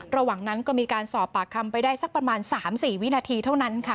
ระหว่างนั้นก็มีการสอบปากคำไปได้สักประมาณ๓๔วินาทีเท่านั้นค่ะ